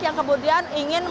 yang kemudian ingin menutupi